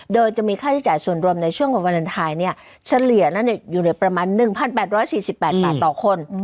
โดยจะมีค่าใช้จ่ายส่วนรวมในช่วงของวาเลนไทยเฉลี่ยนั้นอยู่เหลือประมาณ๑๘๔๘บาทต่อคน